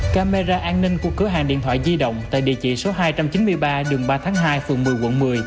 camera an ninh của cửa hàng điện thoại di động tại địa chỉ số hai trăm chín mươi ba đường ba tháng hai phường một mươi quận một mươi